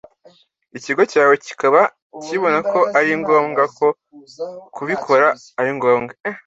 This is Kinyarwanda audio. Ikigo Cyawe kikaba kibonako ari ngombwa ko kubikora ari ngombwa